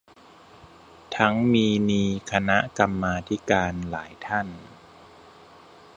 ทั้งมีนีคณะกรรมาธิการหลายท่าน